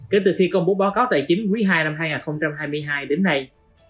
kể từ khi công bố báo cáo tài chính quý ii năm hai nghìn hai mươi hai đến nay